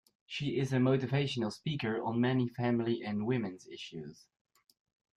She is a motivational speaker on many family and women's issues.